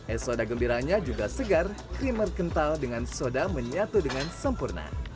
es soda gembiranya juga segar krimer kental dengan soda menyatu dengan sempurna